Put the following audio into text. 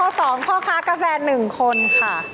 ข้าวตอบแล้วเวลาข้อ๒ข้าวกาแฟ๑คนค่ะ